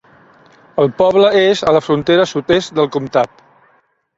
El poble és a la frontera sud-est del comtat.